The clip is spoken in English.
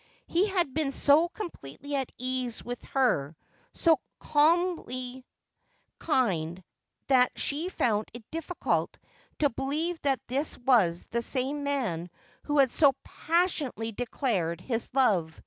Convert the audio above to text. He had been so completely at his ease with her, so calmly kind, that she found it difficult to believe that this was the same man who had so passionately declared his love.